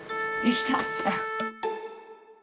できた。